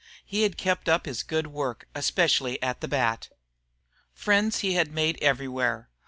He had kept up his good work, especially at the bat. Friends he had made everywhere.